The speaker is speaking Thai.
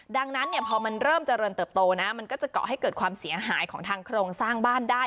ดังนั้นเนี่ยพอมันเริ่มเจริญเติบโตนะมันก็จะเกาะให้เกิดความเสียหายของทางโครงสร้างบ้านได้